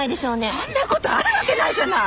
そんな事あるわけないじゃない！